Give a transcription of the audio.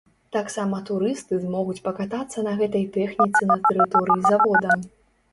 Таксама турысты змогуць пакатацца на гэтай тэхніцы на тэрыторыі завода.